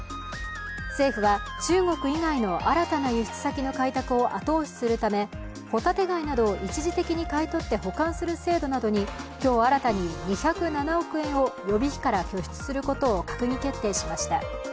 政府は中国以外の新たな輸出先の開拓を後押しするためホタテ貝などを一時的に買い取って保管する制度などに今日新たに２０７億円を予備費から拠出することを閣議決定しました。